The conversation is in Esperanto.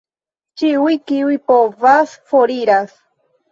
Ĉiuj, kiuj povas, foriras.